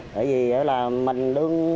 bởi vì là mình đứng